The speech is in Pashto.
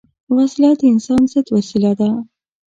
وسله د انسان ضد وسیله ده